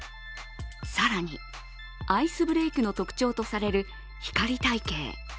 更にアイスブレイクの特徴とされるヒカリ体型。